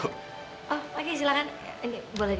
oh oke silahkan boleh pak